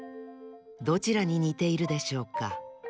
どちらににているでしょうか？